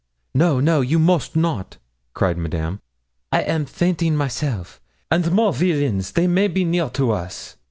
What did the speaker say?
'No, no; you moste not,' cried Madame. 'I am fainting myself, and more villains they may be near to us.'